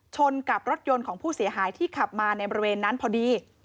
ชนกับรถยนต์ของผู้เสียหายที่ขับมาในบริเวณนั้นพอดี